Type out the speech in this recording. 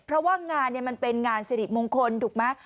เพราะว่างานมันเป็นงานสิริมงคลถูกไหม